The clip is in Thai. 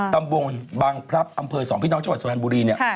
ตำบลบังพรับอำเภอ๒พิน้อยชวัดสวรรค์บุรี